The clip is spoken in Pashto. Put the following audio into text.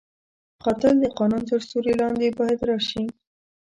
قاتل د قانون تر سیوري لاندې باید راشي